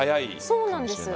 そうなんです。